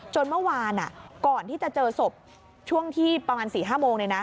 เมื่อวานก่อนที่จะเจอศพช่วงที่ประมาณ๔๕โมง